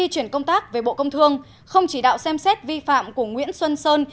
chuyển công tác về bộ công thương không chỉ đạo xem xét vi phạm của nguyễn xuân sơn